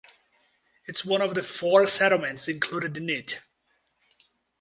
It is one of the four settlements included in it.